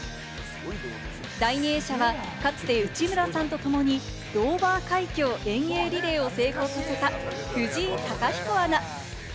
第２泳者はかつて内村さんと共にドーバー海峡遠泳リレーを成功させた藤井貴彦アナ。